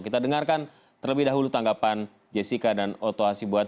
kita dengarkan terlebih dahulu tanggapan jessica dan oto asibuat